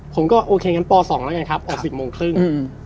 ผมก็โอเคงั้นป๒แล้วกันครับออก๑๐โมงครึ่ง